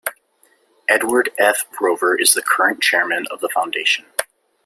Edward F. Rover is the current chairman of the Foundation.